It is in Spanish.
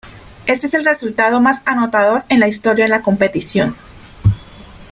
Este es el resultado más anotador en la historia de la competición.